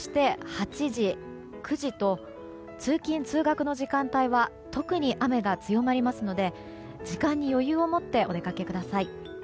朝７時、８時、９時と通勤・通学の時間帯は特に雨が強まりますので時間に余裕を持ってお出かけください。